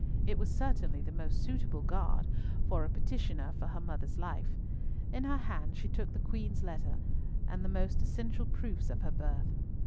It was certainly the most suitable garb for a petitioner for her mother's life. In her hand she took the Queen's letter, and the most essential proofs of her birth.